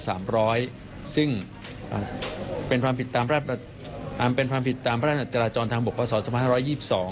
ซึ่งเป็นความผิดตามพระอาจารย์จรรย์ทางบกพระศรสมรรย์๑๒๒